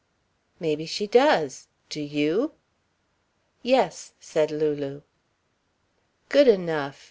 "Maybe she does. Do you?" "Yes," said Lulu. "Good enough!"